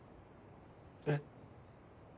えっ？